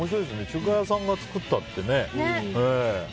中華屋さんが作ったって。